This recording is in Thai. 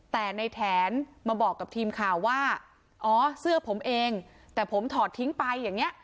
แต่ในแถนมาบอกกับทีมข่าวว่าอ๋อเสื้อผมเองแต่ผมถอดทิ้งไปอย่างเงี้